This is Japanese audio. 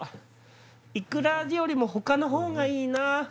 イクラよりも他のほうがいいな。